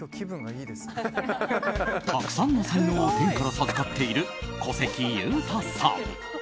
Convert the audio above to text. たくさんの才能を、天から授かっている小関裕太さん。